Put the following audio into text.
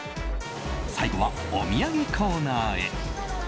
最後は、お土産コーナーへ。